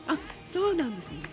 そうなんですね。